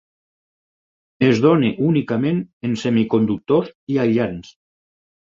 Es dóna únicament en semiconductors i aïllants.